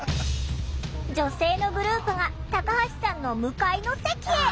女性のグループがタカハシさんの向かいの席へ。